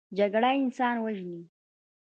جګړه انسان وژني